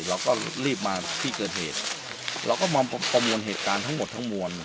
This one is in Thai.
เราก็รีบมาที่เกิดเหตุเราก็มาประมวลเหตุการณ์ทั้งหมดทั้งมวล